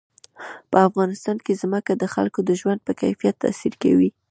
په افغانستان کې ځمکه د خلکو د ژوند په کیفیت تاثیر کوي.